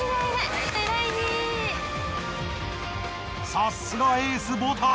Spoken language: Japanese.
さすがエースボタン！